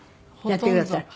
やってくださる？